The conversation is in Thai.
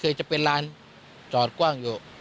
คือจะเป็นร้านจอดกว้างอยู่